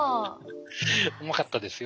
うまかったですよ。